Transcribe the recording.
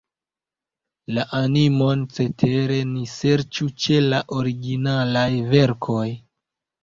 La animon cetere ni serĉu ĉe la originalaj verkoj.